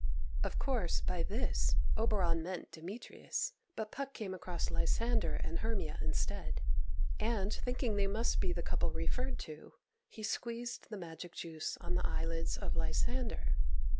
Of course, by this, Oberon meant Demetrius; but Puck came across Lysander and Hermia instead, and, thinking they must be the couple referred to, he squeezed the magic juice on the eyelids of Lysander.